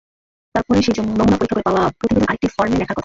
তারপরে সেই নমুনা পরীক্ষা করে পাওয়া প্রতিবেদন আরেকটি ফরমে লেখার কথা।